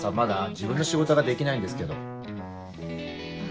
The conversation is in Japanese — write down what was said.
自分の仕事ができないんですけど。